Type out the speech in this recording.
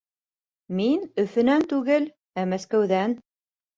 Мин Өфөнән түгел, ә Мәскәүҙән